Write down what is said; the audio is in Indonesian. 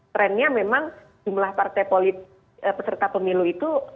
trendnya memang jumlah partai politik peserta pemilu itu